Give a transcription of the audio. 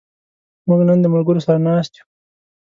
موږ نن د ملګرو سره ناست یو.